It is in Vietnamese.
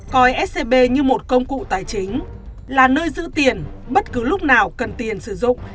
coi scb như một công cụ tài chính là nơi giữ tiền bất cứ lúc nào cần tiền sử dụng